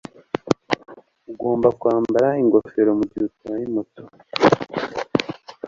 Ugomba kwambara ingofero mugihe utwaye moto